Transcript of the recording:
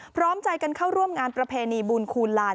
พร้อมใจกันเข้าร่วมงานประเพณีบุญคูณลาน